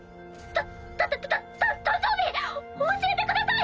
たたたた誕生日教えてください！